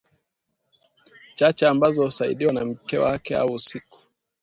chache ambazo husaidiwa na mke wake au siku